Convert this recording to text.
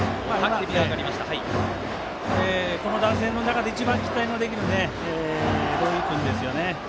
この打線の中で一番期待できる土井君ですよね。